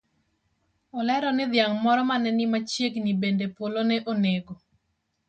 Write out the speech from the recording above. Olero ni dhiang' moro mane ni machiegni bende polo ne onego.